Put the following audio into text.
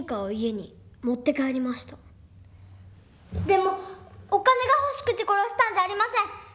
でもお金が欲しくて殺したんじゃありません！